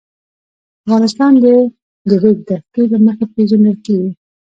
افغانستان د د ریګ دښتې له مخې پېژندل کېږي.